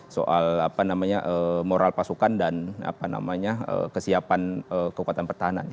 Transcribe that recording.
soal moral pasukan dan kesiapan kekuatan pertahanan